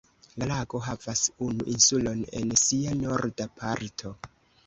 La lago havas unu insulon en sia norda parto.